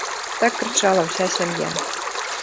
Так крычала ўся сям'я.